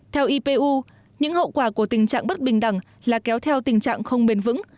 theo ipu những hậu quả của tình trạng bất bình đẳng là kéo theo tình trạng không bền vững